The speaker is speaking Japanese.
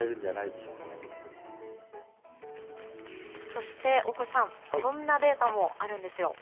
そして大越さんこんなデータもあるんですよ。